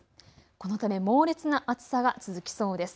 このため猛烈な暑さが続きそうです。